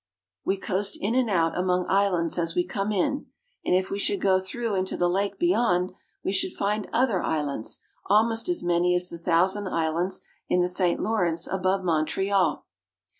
We coast in and out among islands as we come in, and if we should go through into the lake beyond, we should find other islands, almost as many as the Thousand Islands in the St. Lawrence above Montreal.